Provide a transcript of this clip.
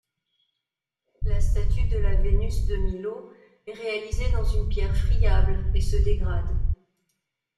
La statue de est réalisée dans une pierre friable, et se dégrade.